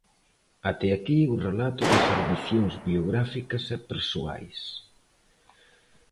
Até aquí o relato das ambicións biográficas e persoais.